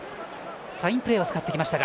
サインプレーを使ってきました。